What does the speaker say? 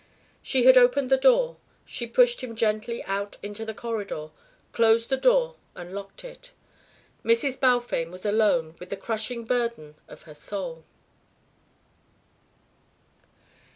She had opened the door. She pushed him gently out into the corridor, closed the door and locked it. Mrs. Balfame was alone with the crushing burden of her soul.